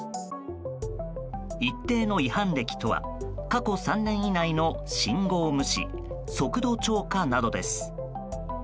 一定の違反歴とは過去３年以内の信号無視、速度超過などです。